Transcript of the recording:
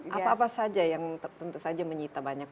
apa apa saja yang tentu saja menyita banyak